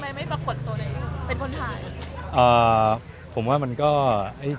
ไปด้วยด้วยทำไมไม่ปรากฏตัวแล้วล่ะ